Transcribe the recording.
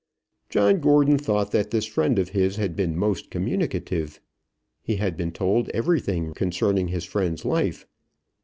John Gordon thought that this friend of his had been most communicative. He had been told everything concerning his friend's life.